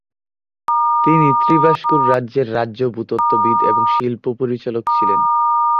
তিনি ত্রিবাঙ্কুর রাজ্যের রাজ্য ভূতত্ত্ববিদ এবং শিল্প পরিচালক ছিলেন।